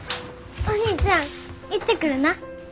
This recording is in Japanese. お兄ちゃん行ってくるな。